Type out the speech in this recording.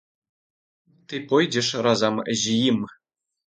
Ты пойдзеш разам з ім.